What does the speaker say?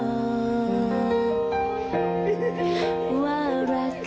เฮ่ยร้องเป็นเด็กเลยอ่ะภรรยาเซอร์ไพรส์สามีแบบนี้ค่ะ